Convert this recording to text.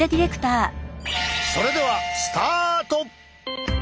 それではスタート！